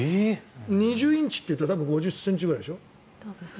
２０インチっていうと５０ｃｍくらいでしょ？